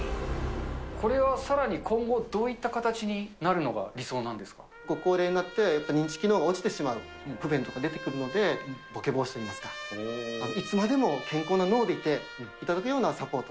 これはさらに今後、どういっご高齢になって、認知機能が落ちてしまう、不便とか出てくるので、ぼけ防止といいますか、いつまでも健康な脳でいていただくようなサポート。